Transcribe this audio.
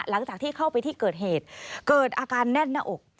หลังจากที่เข้าไปที่เกิดเหตุเกิดอาการแน่นหน้าอก